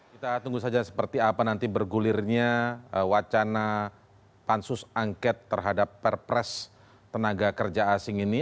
kita tunggu saja seperti apa nanti bergulirnya wacana pansus angket terhadap perpres tenaga kerja asing ini